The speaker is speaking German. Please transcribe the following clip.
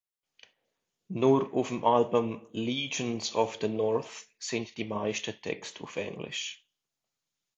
Nur auf dem Album "Legions of the North" sind die meisten Texte auf englisch.